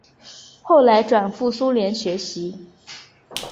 后来转赴苏联学习。